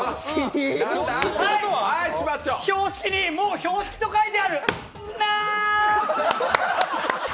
標識にもう標識と書いてある、なー。